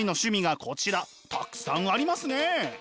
たくさんありますね！